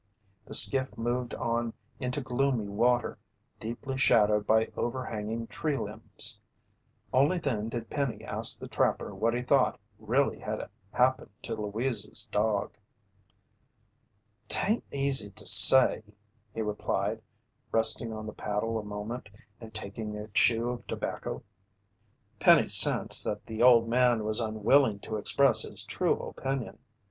The skiff moved on into gloomy water deeply shadowed by overhanging tree limbs. Only then did Penny ask the trapper what he thought really had happened to Louise's dog. "'Tain't easy to say," he replied, resting on the paddle a moment and taking a chew of tobacco. Penny sensed that the old man was unwilling to express his true opinion.